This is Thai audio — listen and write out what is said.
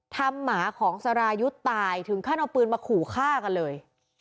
หมาของสรายุทธ์ตายถึงขั้นเอาปืนมาขู่ฆ่ากันเลย